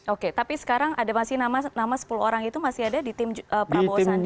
oke tapi sekarang ada masih nama sepuluh orang itu masih ada di tim prabowo sandi